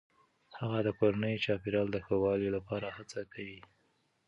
هغه د کورني چاپیریال د ښه والي لپاره هڅه کوي.